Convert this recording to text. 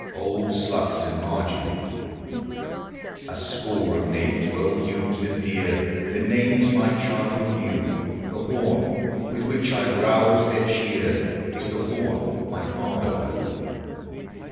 Old Slut and Margery, A score of names well used, and dear, The names my childhood kne^ : The horn, with which I rouse their cheer, Is the horn my father blew.